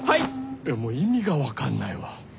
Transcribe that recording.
いやもう意味が分かんないわ。